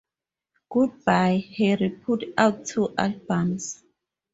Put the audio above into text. Goodbye Harry put out two albums.